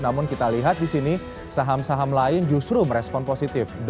namun kita lihat di sini saham saham lain justru merespon positif